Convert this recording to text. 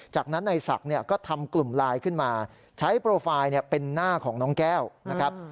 จากนั้นในศักดิ์เนี่ยก็ทำกลุ่มไลน์ขึ้นมาใช้โปรไฟล์เป็นหน้าของน้องแก้วนะครับ